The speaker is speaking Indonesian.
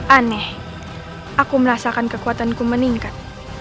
aneh aku merasakan kekuatanku meningkat